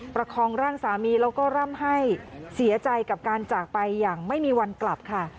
ประคองร่างสามีแล้วก็ร่ำให้เสียใจกับการจากไปอย่างไม่มีวันกลับค่ะ